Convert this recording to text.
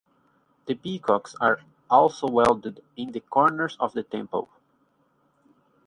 The peacocks are also welded on the corners of the temple.